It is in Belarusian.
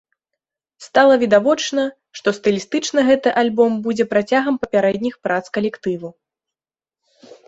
Стала відавочна, што стылістычна гэты альбом будзе працягам папярэдніх прац калектыву.